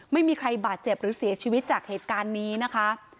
ไม่มีใครบาดเจ็บหรือเสียชีวิตจากเหตุการณ์นี้นะคะ